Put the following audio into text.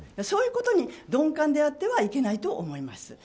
そういうことに鈍感であってはいけないと思います。